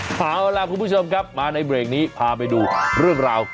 เอาล่ะคุณผู้ชมครับมาในเบรกนี้พาไปดูเรื่องราว